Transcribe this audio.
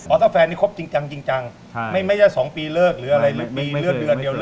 ออสเตอร์แฟนนี่คบจริงไม่ใช่๒ปีเลิกหรืออะไร